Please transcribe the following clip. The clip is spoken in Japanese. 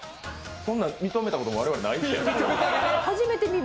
そんなん認めたこと我々ないですよ。